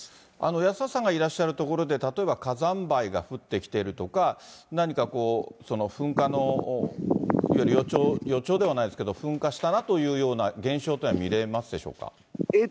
安田さんがいらっしゃる所で、例えば火山灰が降ってきているとか、何かこう、噴火の予兆、予兆ではないですけれども、噴火したなというような現象というのは見れますでしょうか？